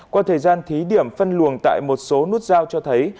qua thời gian thí điểm phân luồng tại một số nút giao cho thấy